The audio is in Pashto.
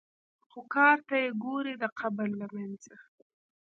خو کار ته یې ګورې د قبر له منځه.